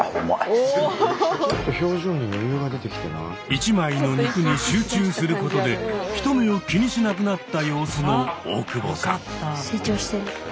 １枚の肉に集中することで人目を気にしなくなった様子の大久保さん。